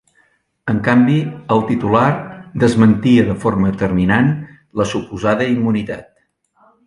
En canvi, el titular desmentia de forma terminant la suposada immunitat.